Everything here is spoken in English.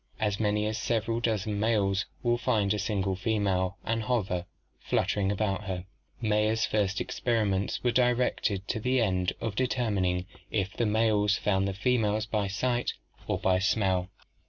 As many as several dozen males will find a single female and hover, fluttering, about her. Mayer's first experiments were directed to the end of determining if the males found the females by sight or by smell.